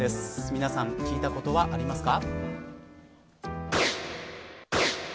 皆さん聞いたことはありますか。